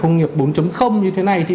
công nghiệp bốn như thế này thì